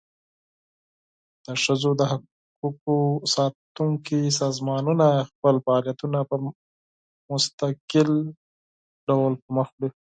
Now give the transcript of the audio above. د ښځو د حقوقو ساتونکي سازمانونه خپل فعالیتونه په مستقل ډول پر مخ وړي.